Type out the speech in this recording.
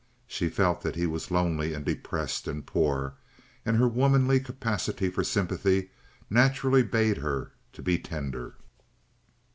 She felt that he was lonely and depressed and poor, and her womanly capacity for sympathy naturally bade her be tender.